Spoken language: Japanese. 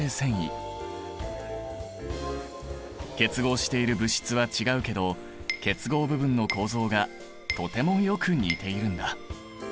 結合している物質は違うけど結合部分の構造がとてもよく似ているんだ。